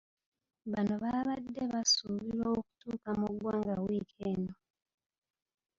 Bano babadde basuubirwa okutuuka mu ggwanga wiiki eno.